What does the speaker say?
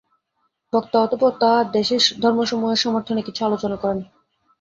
বক্তা অতঃপর তাঁহার দেশের ধর্মসমূহের সমর্থনে কিছু আলোচনা করেন।